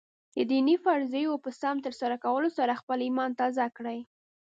د دیني فریضو په سم ترسره کولو سره خپله ایمان تازه کړئ.